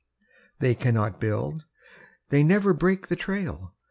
They cannot build, they never break the trail.